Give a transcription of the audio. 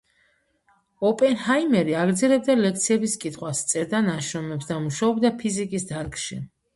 ოპენჰაიმერი აგრძელებდა ლექციების კითხვას, წერდა ნაშრომებს და მუშაობდა ფიზიკის დარგში.